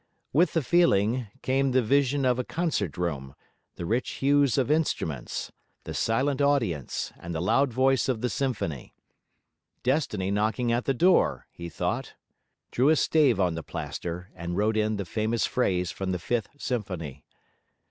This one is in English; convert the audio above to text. With the feeling, came the vision of a concert room, the rich hues of instruments, the silent audience, and the loud voice of the symphony. 'Destiny knocking at the door,' he thought; drew a stave on the plaster, and wrote in the famous phrase from the Fifth Symphony.